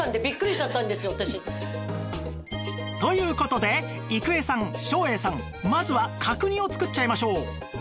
という事で郁恵さん照英さんまずは角煮を作っちゃいましょう